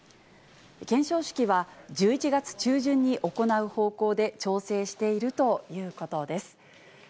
顕彰式は、１１月中旬に行う方向で調整しているということです。